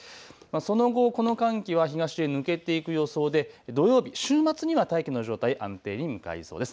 その後、この寒気は東へ抜けていく予想で土曜日、週末には大気の状態、安定に向かいそうです。